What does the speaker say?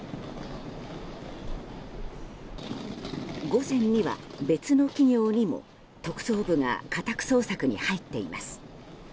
午前には、別の企業にも特捜部が家宅捜索に入っています。